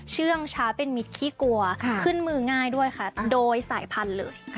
เชื่องช้าเป็นมิตรขี้กลัวขึ้นมือง่ายด้วยค่ะโดยสายพันธุ์เลย